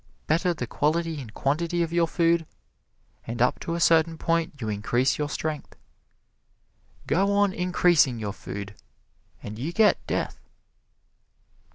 Better the quality and quantity of your food, and up to a certain point you increase your strength. Go on increasing your food and you get death.